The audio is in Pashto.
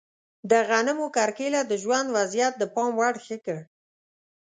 د غنمو کرکیله د ژوند وضعیت د پام وړ ښه کړ.